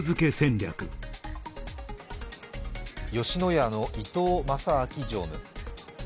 吉野家の伊東正明常務。